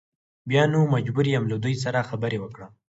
بیا نو مجبور یم له دوی سره خبرې وکړم.